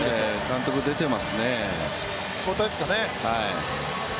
監督出てますね、交代ですかね。